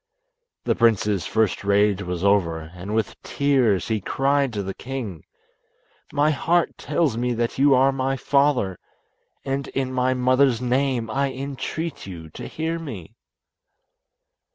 The prince's first rage was over, and with tears he cried to the king, "My heart tells me that you are my father, and in my mother's name I entreat you to hear me."